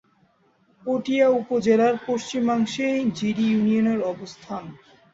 পটিয়া উপজেলার পশ্চিমাংশে জিরি ইউনিয়নের অবস্থান।